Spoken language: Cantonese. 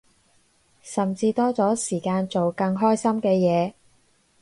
甚至多咗時間做更開心嘅嘢